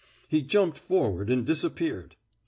He jumped forward and disappeared.